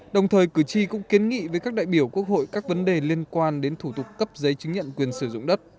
đồng thời cử tri cũng kiến nghị với các đại biểu quốc hội các vấn đề liên quan đến thủ tục cấp giấy chứng nhận quyền sử dụng đất